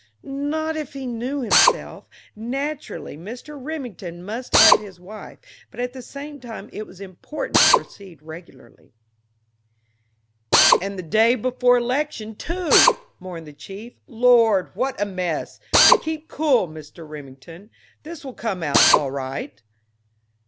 Not if he knew himself. Naturally Mr. Remington must have his wife, but at the same time it was important to proceed regularly. "And the day before election, too!" mourned the chief. "Lord, what a mess! But keep cool, Mr. Remington; this will come out all right!"